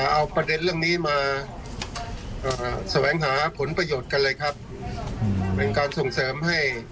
และสถานะของตัวเองพระพุทธเจ้าที่ว่ากระทำกรรมเช่นใด